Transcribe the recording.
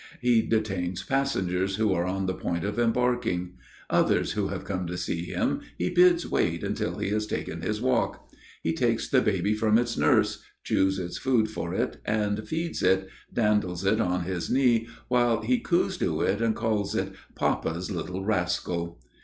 He detains passengers who are on the point of embarking; others who have come to see him he bids wait until he has taken his walk. He takes the baby from its nurse, chews its food for it and feeds it, dandles it on his knee while he cooes to it and calls it "Papa's little rascal!"